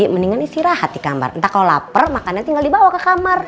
mendingan istirahat di kamar entah kalau lapar makannya tinggal dibawa ke kamar